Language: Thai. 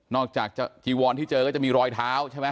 จากจีวอนที่เจอก็จะมีรอยเท้าใช่ไหม